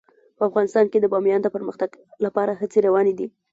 په افغانستان کې د بامیان د پرمختګ لپاره هڅې روانې دي.